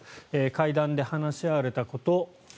会談で話し合われたこと